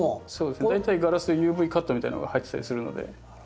大体ガラスＵＶカットみたいなのが入ってたりするので。